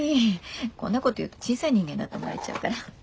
こんなこと言うと小さい人間だと思われちゃうから。